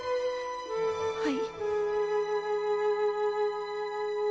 はい。